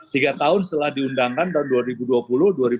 tiga tahun setelah diundangkan tahun dua ribu dua puluh dua ribu dua puluh